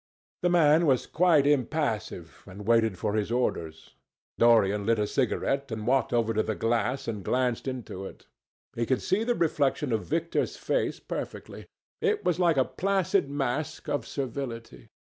The man was quite impassive and waited for his orders. Dorian lit a cigarette and walked over to the glass and glanced into it. He could see the reflection of Victor's face perfectly. It was like a placid mask of servility.